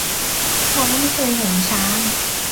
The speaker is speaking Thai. น้องไม่เคยเห็นช้าง